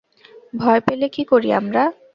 ভয় পেলে কী করি আমরা?